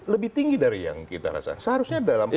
lebih tinggi dari yang kita rasa seharusnya dalam proses